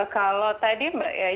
kalau tadi mbak